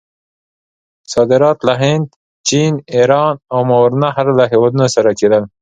صادرات له هند، چین، ایران او ماورأ النهر له هیوادونو سره کېدل.